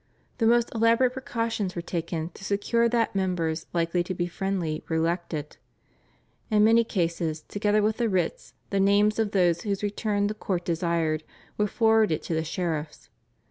The most elaborate precautions were taken to secure that members likely to be friendly were elected. In many cases together with the writs the names of those whose return the court desired were forwarded to the sheriffs.